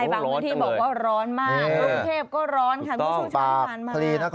ค่ะบางพื้นที่บอกว่าร้อนมากภูเทศก็ร้อนค่ะคุณผู้ชมใช้มากมาก